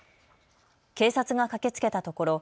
警察が駆けつけたところ